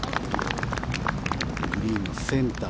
グリーンのセンター